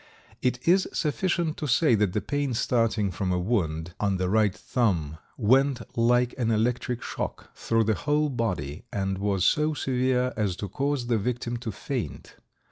It is sufficient to say that the pain, starting from a wound on the right thumb, went like an electric shock through the whole body and was so severe as to cause the victim to faint.